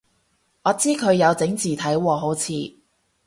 我知佢有整字體喎好似